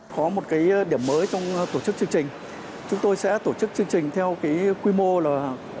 có một cái điểm mới trong tổ chức chương trình chúng tôi sẽ tổ chức chương trình theo cái quy mô là